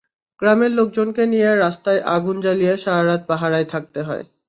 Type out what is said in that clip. গ্রামের লোকজনকে নিয়ে রাস্তায় আগুন জ্বালিয়ে সারা রাত পাহারায় থাকতে হয়।